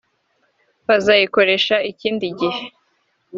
bazayikoresha ikindi gihe